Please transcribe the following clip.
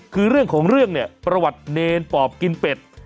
คือเรื่องของเรื่องเนี่ยประวัติเนรปอบกินเป็ด